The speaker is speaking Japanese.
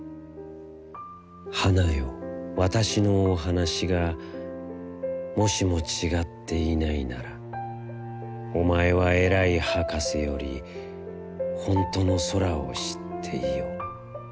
花よ、わたしのおはなしが、もしもちがっていないなら、おまえはえらいはかせより、ほんとの空を知っていよ。